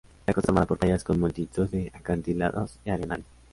La costa está formada por playas con multitud de acantilados y arenales.